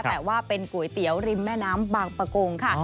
แต่ว่าเป็นก๋วยเตี๋ยวริมแม่น้ำบางประกงค่ะ